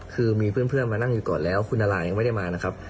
คือมีเพื่อนมานั่งอยู่ก่อนแล้วคุณนารายังไม่ได้มานะครับ